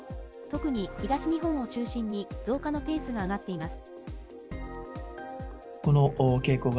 特に東日本を中心に増加のペースが上がっています。